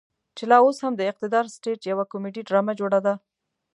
چې لا اوس هم د اقتدار سټيج يوه کميډي ډرامه جوړه ده.